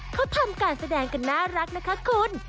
เขาทำการแสดงกันน่ารักนะคะคุณ